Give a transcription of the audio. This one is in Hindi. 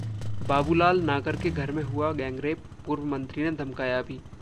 ‘बाबूलाल नागर के घर में हुआ गैंगरेप, पूर्व मंत्री ने धमकाया भी’